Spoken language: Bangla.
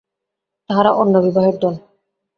তাহারা অন্য বিবাহের দল।